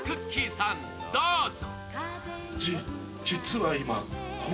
さんどうぞ。